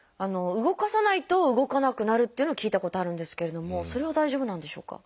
動かさないと動かなくなるっていうのを聞いたことあるんですけれどもそれは大丈夫なんでしょうか？